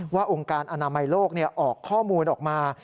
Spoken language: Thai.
องค์การอนามัยโลกออกข้อมูลออกมา